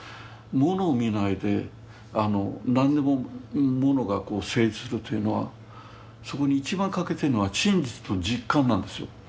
ものを見ないで何でもものが成立するというのはそこに一番欠けてるのは真実と実感なんですよ。